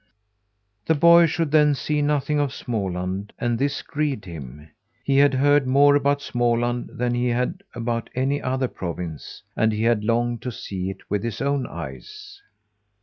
The boy should then see nothing of Småland, and this grieved him. He had heard more about Småland than he had about any other province, and he had longed to see it with his own eyes.